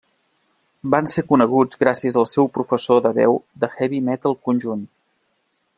Van ser coneguts gràcies al seu professor de veu de heavy metal conjunt.